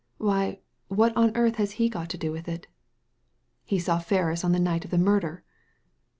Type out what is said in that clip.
"Why, what on earth has he got to do with it?" " He saw Ferris on the night of the murder